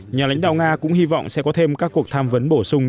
nhà lãnh đạo nga cũng hy vọng sẽ có thêm các cuộc tham vấn bổ sung